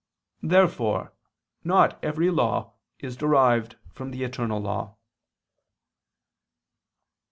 Therefore not every law is derived from the eternal law.